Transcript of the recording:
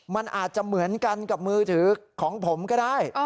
มันอาจจะเหมือนกันกับมือถือของผมก็ได้